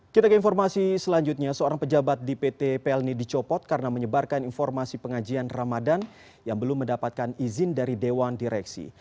kita ke informasi selanjutnya seorang pejabat di pt plni dicopot karena menyebarkan informasi pengajian ramadan yang belum mendapatkan izin dari dewan direksi